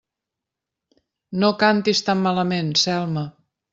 No cantis tan malament, Selma!